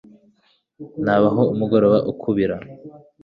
Nabaho umugoroba ukubira